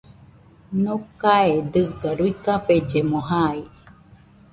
Nokae dɨga ruikafellemo jai